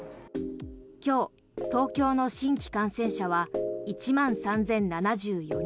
今日、東京の新規感染者は１万３０７４人。